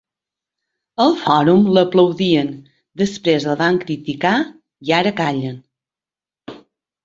Al Fòrum l'aplaudien, després el van criticar i ara callen.